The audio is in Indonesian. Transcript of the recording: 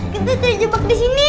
kita kayak jebak di sini